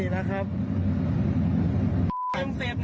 กระกาย